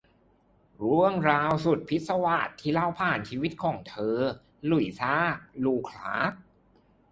เรื่องราวสุดหวานที่เล่าผ่านชีวิตของ หลุยซ่า ลู คล้าก